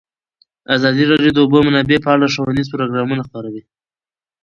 ازادي راډیو د د اوبو منابع په اړه ښوونیز پروګرامونه خپاره کړي.